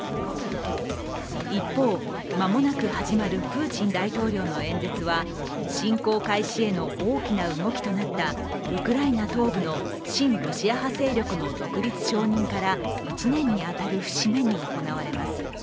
一方、間もなく始まるプーチン大統領の演説は侵攻開始への大きな動きとなったウクライナ東部の親ロシア派勢力の独立承認から１年に当たる節目に行われます。